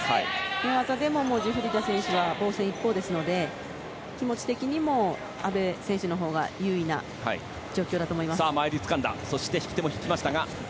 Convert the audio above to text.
寝技でもジュフリダ選手は防戦一方ですので気持ち的にも阿部選手のほうが優位な状況だと思います。